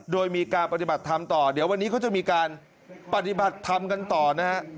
โดยมีการปฏิบัติธรรมต่อเดี๋ยววันนี้เขาจะมีการปฏิบัติธรรมกันต่อนะฮะ